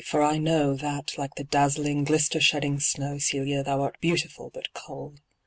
for I know That, like the dazzling, glister shedding snow, Celia, thou art beautiful, but cold.